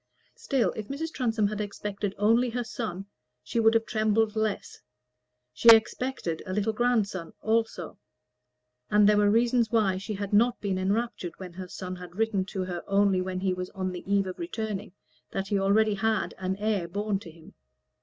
Still, if Mrs. Transome had expected only her son, she would have trembled less; she expected a little grandson also: and there were reasons why she had not been enraptured when her son had written to her only when he was on the eve of returning that he already had an heir born to him.